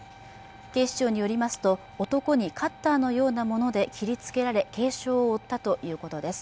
警視庁によりますと、男にカッターのようなもので切りつけられ、軽傷を負ったということです。